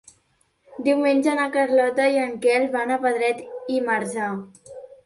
Diumenge na Carlota i en Quel van a Pedret i Marzà.